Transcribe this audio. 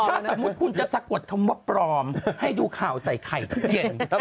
ถ้าสมมุติคุณจะสะกดคำว่าปลอมให้ดูข่าวใส่ไข่ทุกเย็น